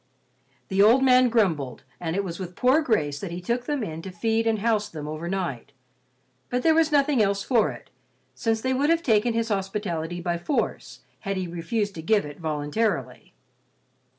The old man grumbled, and it was with poor grace that he took them in to feed and house them over night. But there was nothing else for it, since they would have taken his hospitality by force had he refused to give it voluntarily.